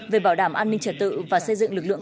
về bảo đảm an ninh trật tự và xây dựng lực lượng